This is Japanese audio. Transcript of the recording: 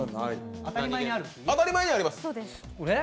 当たり前にあります。